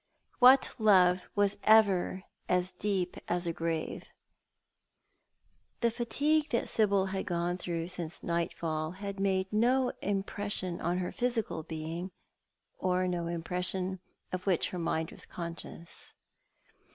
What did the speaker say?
WHAT LOVE "WAS EVEE AS DEEP AS A GRAVE ?" The fatigue that Sibyl had gone through since nightfall had made no impression upon her physical being, or no impression of which her mind was conscious.